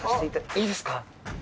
いいですか？